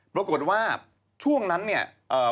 ปรากฏว่าช่วงนั้นเนี่ย